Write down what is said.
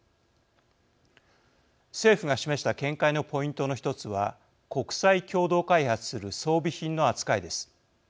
政府が示した見解のポイントの一つは国際共同開発する装備品の扱いです。